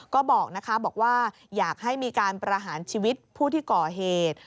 ก็บอกนะคะบอกว่าอยากให้มีการประหารชีวิตผู้ที่ก่อเหตุ